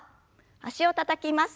脚をたたきます。